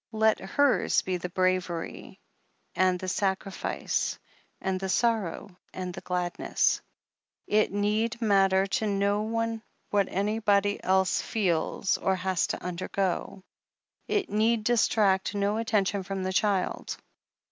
Let hers be the bravery, and the sacrifice, and the sorrow, and the gladness. It need matter to no one what anybody else feels, or has to undergo— it need 476 THE HEEL OF ACHILLES distract no attention from the child.